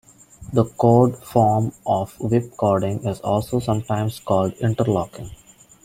The cord form of whipcording is also sometimes called Interlocking.